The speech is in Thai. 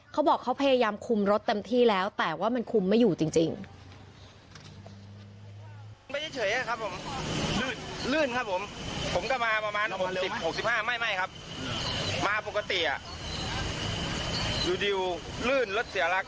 เขาบอกเขาพยายามคุมรถเต็มที่แล้วแต่ว่ามันคุมไม่อยู่จริง